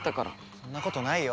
そんなことないよ。